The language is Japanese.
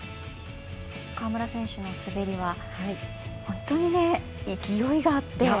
川村選手の滑りは本当に勢いがあって。